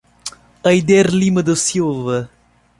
Ayder Lima da Silva